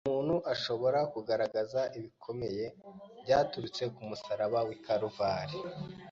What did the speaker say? umuntu ashobora kugaragaza ibikomeye byaturutse ku musaraba w’i Kaluvari.